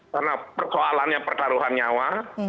karena persoalannya pertaruhan nyawa